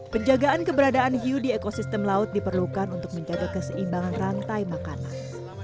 penjagaan keberadaan hiu di ekosistem laut diperlukan untuk menjaga keseimbangan rantai makanan